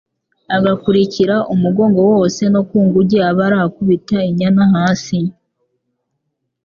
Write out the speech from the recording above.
agakurikira umugongo wose no ku nguge abara akubita inyana hasi